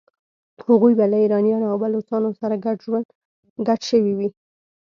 هغوی به له ایرانیانو او بلوڅانو سره ګډ شوي وي.